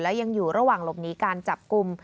และยังอยู่ระหว่างหลบหนีการจับกลุ่ม